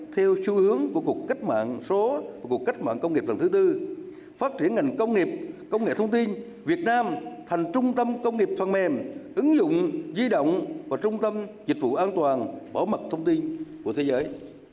theo xu hướng của cuộc cách mạng số và cuộc cách mạng công nghiệp lần thứ tư phát triển ngành công nghiệp công nghệ thông tin việt nam thành trung tâm công nghiệp phần mềm ứng dụng di động và trung tâm dịch vụ an toàn bảo mật thông tin của thế giới